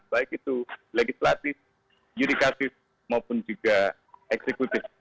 baik itu legislatif yudikatif maupun juga eksekutif